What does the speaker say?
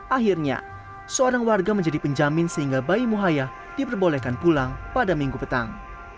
akhirnya seorang warga menjadi penjamin sehingga bayi muhaya diperbolehkan pulang pada minggu petang